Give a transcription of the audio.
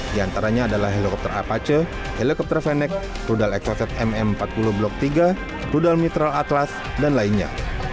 di antaranya adalah helikopter apache helikopter fenex rudal exoset mm empat puluh blok tiga rudal mitral atlas dan lainnya